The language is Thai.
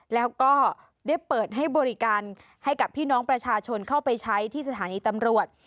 แล้วก็ได้เปิดให้บริการให้กับพี่น้องประชาชนเข้าไปใช้ที่สถานีตำรวจ